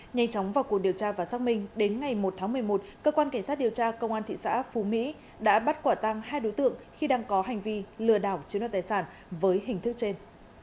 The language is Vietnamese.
nhanh chóng vào cuộc điều tra và xác minh đến ngày một tháng một mươi một cơ quan cảnh sát điều tra công an thị xã phú mỹ đã bắt quả tăng hai đối tượng khi đang có hành vi lừa đảo chiếm đoạt tài sản với hình thức trên